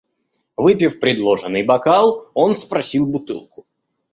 Выпив предложенный бокал, он спросил бутылку.